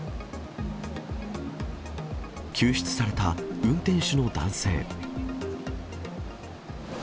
救出された運転手の男性。